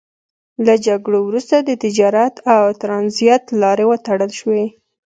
له جګړو وروسته د تجارت او ترانزیت لارې وتړل شوې.